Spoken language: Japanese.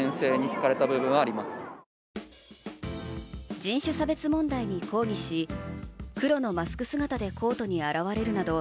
人種差別問題に抗議し黒のマスク姿でコートに現れるなど